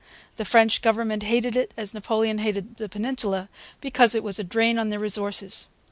The French government hated it as Napoleon hated the Peninsula, because it was a drain on their resources.